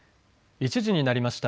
１時になりました。